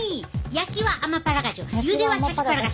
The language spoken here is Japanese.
焼きはアマパラガジュゆではシャキパラガス